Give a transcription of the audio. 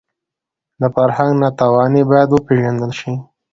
د فرهنګ ناتواني باید وپېژندل شي